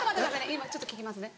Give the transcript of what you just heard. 今ちょっと聞きますね。